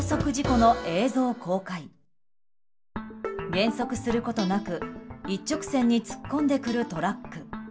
減速することなく、一直線に突っ込んでくるトラック。